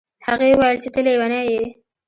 هغې وویل چې ته لیونی یې.